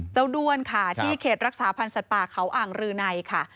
ด้วนค่ะที่เขตรักษาพันธ์สัตว์ป่าเขาอ่างรือในค่ะ